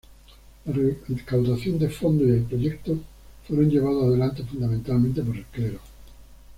La recaudación de fondos y el proyecto fue llevado adelante fundamentalmente por el clero.